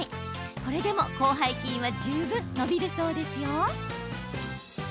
これでも広背筋は十分、伸びるそうですよ。